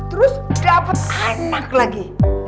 terus dapet anak lagi